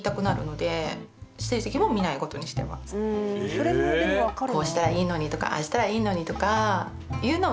⁉それもでも分かるな。